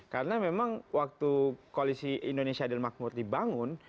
karena memang waktu koalisi indonesia adil makmur dibangun